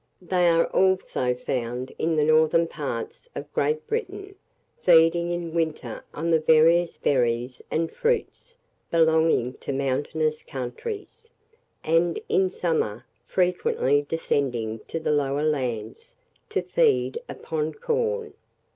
They are also found in the northern parts of Great Britain, feeding in winter on the various berries and fruits belonging to mountainous countries, and, in summer, frequently descending to the lower lands, to feed upon corn.